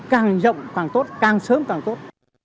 càng rộng càng tốt càng sớm càng tốt